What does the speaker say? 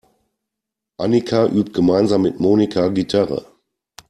Annika übt gemeinsam mit Monika Gitarre.